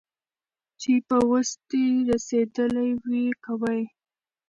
چي په وس دي رسېدلي وي كوه يې